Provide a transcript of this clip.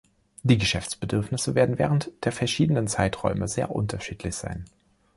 Die Geschäftsbedürfnisse werden während der verschiedenen Zeiträume sehr unterschiedlich sein.